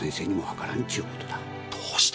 どうして？